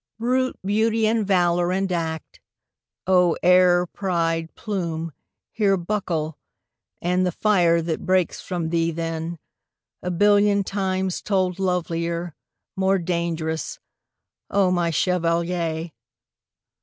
Brute beauty and valour and act, oh, air, pride, plume, here Buckle! AND the fire that breaks from thee then, a billion Times told lovelier, more dangerous, O my chevalier!